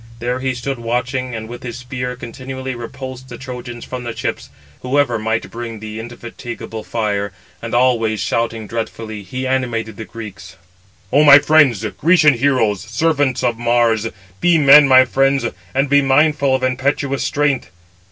There he stood watching, and with his spear continually repulsed the Trojans from the ships, whoever might bring the indefatigable fire; and always shouting dreadfully, he animated the Greeks: "O my friends, Grecian heroes, servants of Mars, be men, my friends, and be mindful of impetuous strength.